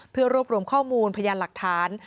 เพื่อรวบรวมข้อมูลพยานหลักฐาน